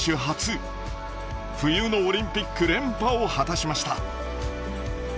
初冬のオリンピック連覇を果たしました。